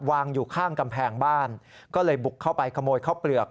วางอยู่ข้างกำแพงบ้านก็เลยบุกเข้าไปขโมยข้าวเปลือก